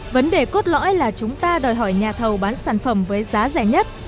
vấn đề cốt lõi là chúng ta đòi hỏi nhà thầu bán sản phẩm với giá rẻ nhất